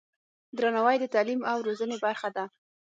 درناوی د تعلیم او روزنې برخه ده.